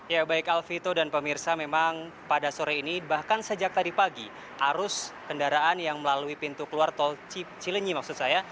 ya baik alfito dan pemirsa memang pada sore ini bahkan sejak tadi pagi arus kendaraan yang melalui pintu keluar tol cilenyi maksud saya